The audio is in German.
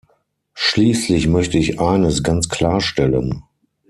Schließlich möchte ich eines ganz klarstellen.